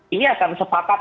ini akan sepakat